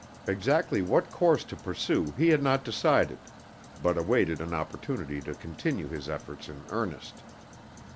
Exactly what course to pursue he had not decided, but awaited an opportunity to continue his efforts in earnest.